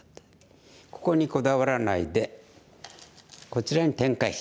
ここにこだわらないでこちらに展開していく。